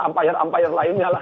ampire ampire lainnya lah